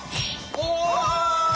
お！